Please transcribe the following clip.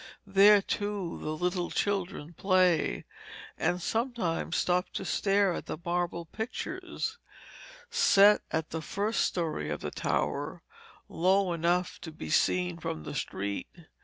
There too the little children play, and sometimes stop to stare at the marble pictures, set in the first story of the tower, low enough to be seen from the street.